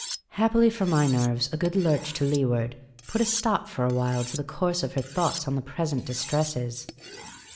Happily for my nerves, a good lurch to leeward put a stop for a while to the course of her thoughts on the present distresses.